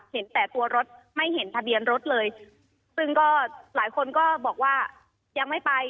เห็นแต่ตัวรถไม่เห็นทะเบียนรถเลยซึ่งก็หลายคนก็บอกว่ายังไม่ไป